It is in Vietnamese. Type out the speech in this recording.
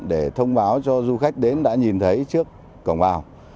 để thông báo cho du khách đến đã nhìn thấy trước cổng vào